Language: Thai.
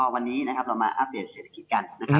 วันนี้เรามาอัปเดตเศรษฐกิจกัน